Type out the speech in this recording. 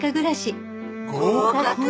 合格！？